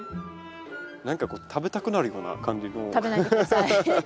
何かこう食べたくなるような感じの。